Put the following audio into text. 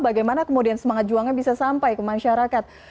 bagaimana kemudian semangat juangnya bisa sampai ke masyarakat